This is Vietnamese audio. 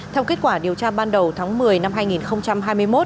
theo kết quả điều tra ban đầu tháng một mươi năm hai nghìn hai mươi một